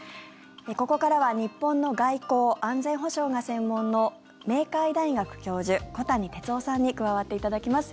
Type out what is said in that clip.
ここからは日本の外交・安全保障が専門の明海大学教授、小谷哲男さんに加わっていただきます。